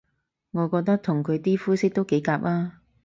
我覺得同佢啲膚色都幾夾吖